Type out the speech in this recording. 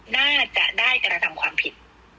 น่าจะได้กระทำความผิด